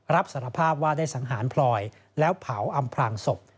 รับสารภาพว่าได้สังหารพลอยแล้วเผาอำพลางศพ